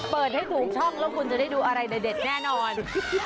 เปิดให้ถูกช่องแล้วคุณจะได้ดูอะไรเด็ดแน่นอน